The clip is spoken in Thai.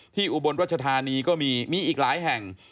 อุบลรัชธานีก็มีมีอีกหลายแห่ง